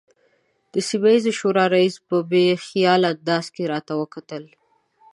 د سیمه ییزې شورا رئیس په بې خیاله انداز کې راته وکتل.